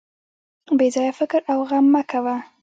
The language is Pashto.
بې ځایه فکر او غم مه کوه.